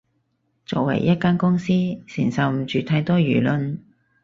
作為一間公司，承受唔住太多輿論